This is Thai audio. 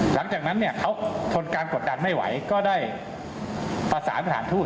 หลังจากนั้นเนี่ยเขาทนการกดดันไม่ไหวก็ได้ประสานสถานทูต